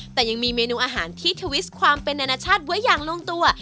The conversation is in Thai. แต่ยังมีเมนูอาหารที่ทวิสความเป็นอนาชาติไว้อย่างลงตัว